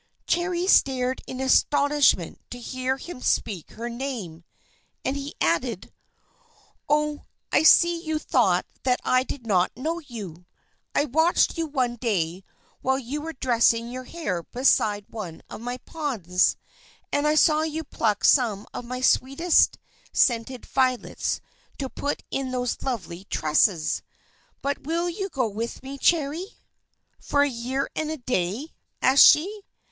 Cherry stared in astonishment to hear him speak her name; and he added: "Oh! I see you thought that I did not know you! I watched you one day while you were dressing your hair beside one of my ponds; and I saw you pluck some of my sweetest scented violets to put in those lovely tresses! But will you go with me, Cherry?" "For a year and a day?" asked she.